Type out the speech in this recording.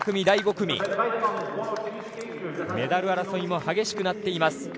第５組、メダル争いも激しくなっています。